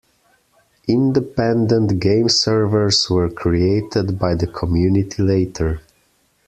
Independent game servers were created by the community later.